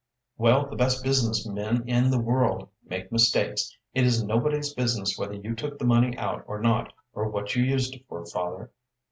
"Well, the best business men in the world make mistakes. It is nobody's business whether you took the money out or not, or what you used it for, father."